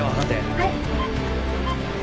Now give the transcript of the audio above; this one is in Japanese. はい。